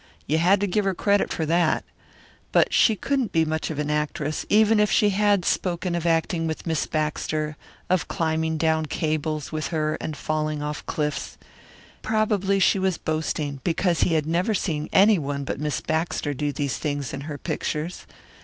You had to give her credit for that. But she couldn't be much of an actress, even if she had spoken of acting with Miss Baxter, of climbing down cables with her and falling off cliffs. Probably she was boasting, because he had never seen any one but Miss Baxter do these things in her pictures.